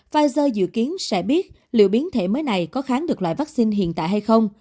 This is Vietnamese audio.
pfizer dự kiến sẽ biết liệu biến thể mới này có kháng được loại vaccine hiện tại hay không